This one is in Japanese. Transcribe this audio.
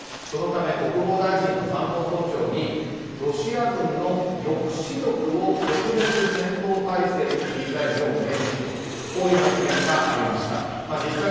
そのため国防大臣と参謀総長にロシア軍の抑止力を特別戦闘態勢に切り替えるよう命じるとこういう発言がありました。